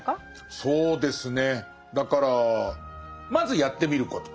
そうですねだからまずやってみること。